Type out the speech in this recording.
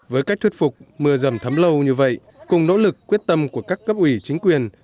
với cách thuyết phục mưa rầm thấm lâu như vậy cùng nỗ lực quyết tâm của các cấp ủy chính quyền